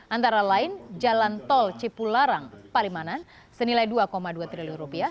antara lain jalan tol cipularang palimanan senilai rp dua dua triliun